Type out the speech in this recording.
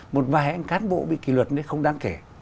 một vài cán bộ bị kỷ luật nên không đáng kể